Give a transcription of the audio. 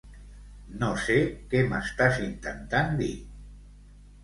No sé què m'estàs intentant dir.